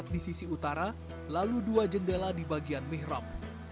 di sisi utara lalu dua jendela di bagian mihrab